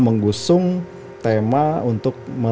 sisilah saja ititas untung di kota